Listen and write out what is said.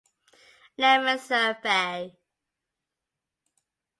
Lemmon Survey.